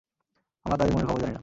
আমরা তাদের মনের খবর জানি না।